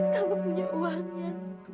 kamu punya uangnya